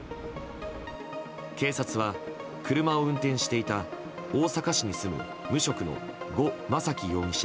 警察は車を運転していた大阪市に住む無職のゴ・マサキ容疑者